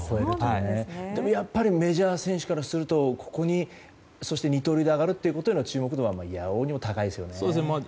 でもやっぱりメジャー選手からするとここに二刀流で上がるのは注目度が高いですね。